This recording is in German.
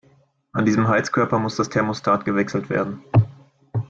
An diesem Heizkörper muss das Thermostat gewechselt werden.